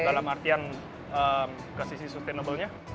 dalam artian kresisi sustainable nya